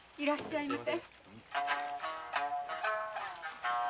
いらっしゃいませ。